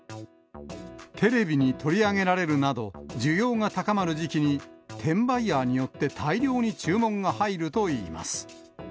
テレビに取り上げられるなど、需要が高まる時期に、転売ヤーによって大量に注文が入るといいます。